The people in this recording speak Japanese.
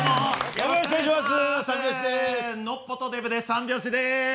よろしくお願いします